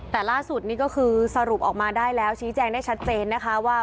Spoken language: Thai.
แต่ล่าสุดนี้ก็คือสรุปออกมาได้แล้วชี้แจงได้ชัดเจนนะคะว่า